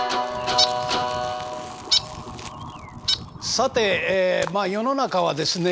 さてまあ世の中はですね